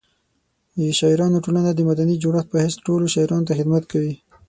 د شاعرانو ټولنه د مدني جوړښت په حیث ټولو شاعرانو ته خدمت کوي.